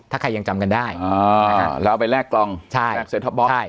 ถ้าใครยังจำกันได้อ่าแล้วไปแลกกล่องใช่ใช่